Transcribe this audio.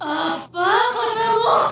apa kau tahu